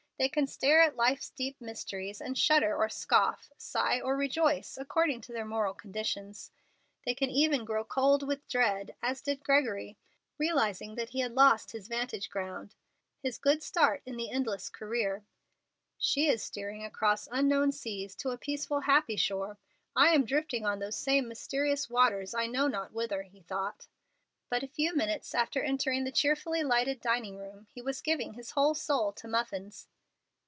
They can stare at life's deep mysteries and shudder or scoff, sigh or rejoice, according to their moral conditions. They can even grow cold with dread, as did Gregory, realizing that he had "lost his vantage ground," his good start in the endless career. "She is steering across unknown seas to a peaceful, happy shore. I am drifting on those same mysterious waters I know not whither," he thought. But a few minutes after entering the cheerfully lighted dining room he was giving his whole soul to muffins.